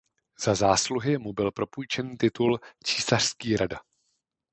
Za zásluhy mu byl propůjčen titul "císařský rada".